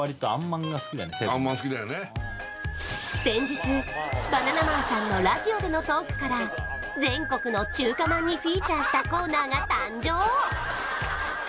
先日バナナマンさんのラジオでのトークから全国の中華まんにフィーチャーしたコーナーが誕生！